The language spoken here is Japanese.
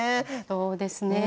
そうですね。